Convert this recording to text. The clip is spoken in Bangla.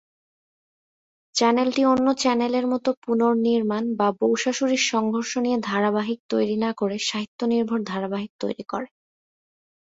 চ্যানেলটি অন্য চ্যানেলের মত পুনঃনির্মাণ বা বউ-শাশুড়ির সংঘর্ষ নিয়ে ধারাবাহিক তৈরি না করে সাহিত্য নির্ভর ধারাবাহিক তৈরি করে।